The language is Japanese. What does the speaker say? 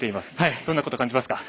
どんなこと、感じますか。